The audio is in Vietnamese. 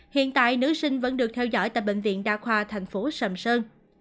hiện tại nữ sinh vẫn được theo dõi tại bệnh viện đa khoa tp sàm sơn